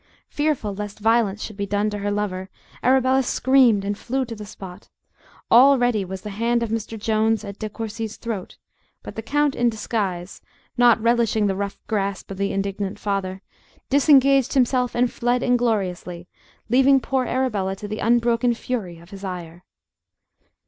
Fearful lest violence should be done to her lover, Arabella screamed and flew to the spot. Already was the hand of Mr. Jones at De Courci's throat, but the count in disguise, not relishing the rough grasp of the indignant father, disengaged himself and fled ingloriously, leaving poor Arabella to the unbroken fury of his ire.